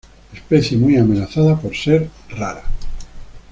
Especie muy amenazada por ser rara.